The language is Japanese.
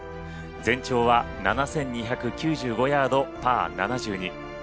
全長は７２９５ヤードパー７２。